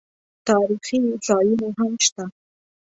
تاریخي ځایونه هم شته.